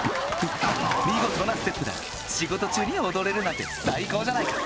見事なステップだ仕事中に踊れるなんて最高じゃないか